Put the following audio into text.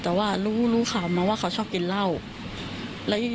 แต่ว่ารู้ค่ะมันว่าเขาชอบกินเหล้า